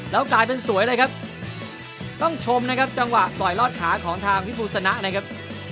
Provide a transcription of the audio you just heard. แล้วกลายเป็นสวยเลยครับต้องชมนะครับจังหวะต่อยลอดขาของทางพี่ภูสนะนะครับ